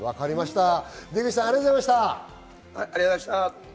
出口さん、ありがとうございました。